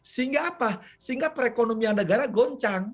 sehingga apa sehingga perekonomian negara goncang